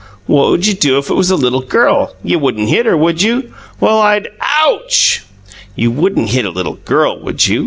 "What'd you do if it was a little girl? You wouldn't hit her, would you?" "Well, I'd Ouch!" "You wouldn't hit a little girl, would you?"